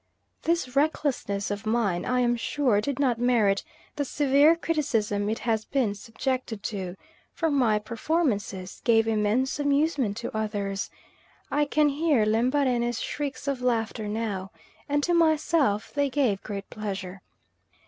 This "recklessness" of mine I am sure did not merit the severe criticism it has been subjected to, for my performances gave immense amusement to others (I can hear Lembarene's shrieks of laughter now) and to myself they gave great pleasure.